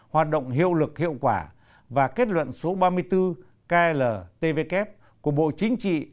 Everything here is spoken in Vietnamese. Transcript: hoạt động hiệu lực hiệu quả và kết luận số ba mươi bốn kltvk của bộ chính trị